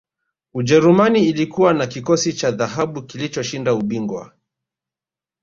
ujerumani ilikuwa na kikosi cha dhahabu kilichoshinda ubingwa